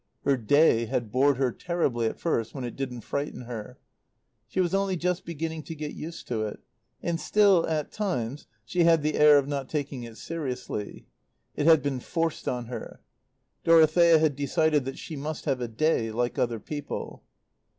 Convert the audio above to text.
Her Day had bored her terribly at first, when it didn't frighten her; she was only just beginning to get used to it; and still, at times, she had the air of not taking it seriously. It had been forced on her. Dorothea had decided that she must have a Day, like other people.